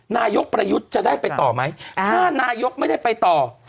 นายกประยุทธ์จะได้ไปต่อไหมถ้านายกไม่ได้ไปต่อ